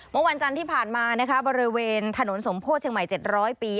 เมื่อวันจันทร์ที่ผ่านมานะคะบริเวณถนนสมโพธิเชียงใหม่๗๐๐ปี